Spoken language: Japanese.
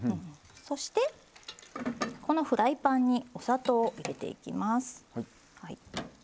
そしてこのフライパンにお砂糖を入れていきます。